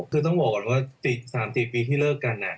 คือต้องบอกก่อนว่า๓๔ปีที่เลิกกัน